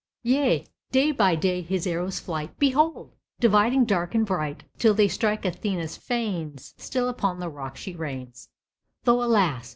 Yea, day by day his arrows' flight Behold! Dividing dark and bright, Till they strike Athena's fanes— Still upon the rock she reigns, Though, alas!